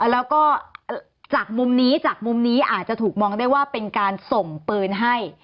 แล้วก็จากมุมนี้จากมุมนี้อาจจะถูกมองได้ว่าเป็นการส่งปืนให้